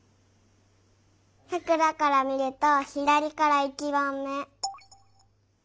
さくらからみるとひだりから１ばんめ。